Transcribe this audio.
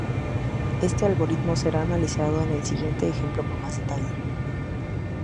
Este algoritmo será analizado en el siguiente ejemplo con más detalle.